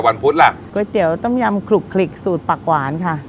พุธล่ะก๋วยเตี๋ยวต้มยำคลุกคลิกสูตรปากหวานค่ะ